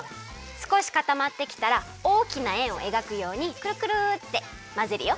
すこしかたまってきたらおおきなえんをえがくようにくるくるってまぜるよ。